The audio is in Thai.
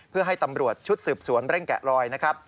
เพื่อให้ตำรวจชุดสืบสวนเร่งแกะรอยนะครับ